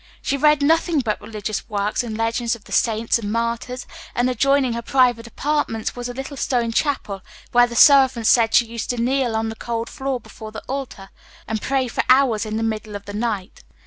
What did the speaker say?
She read nothing but religious works and legends of the saints and martyrs, and adjoining her private apartments was a little stone chapel, where the servants said she used to kneel on the cold floor before the altar and pray for hours in the middle of the night.